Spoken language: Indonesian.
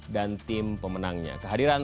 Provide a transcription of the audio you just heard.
dan tim pemenangnya kehadiran